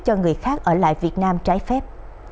cho người khác ở lại việt nam trái phép